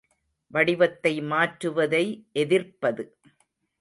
வடிவத்தை மாற்றுவதை எதிர்ப்பது.